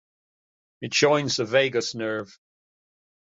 It joins the vagus nerve.